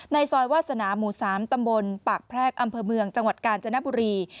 ซอยวาสนาหมู่๓ตำบลปากแพรกอำเภอเมืองจังหวัดกาญจนบุรี